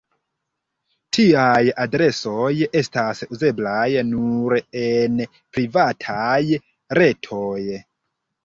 Tiaj adresoj estas uzeblaj nur en "privataj" retoj.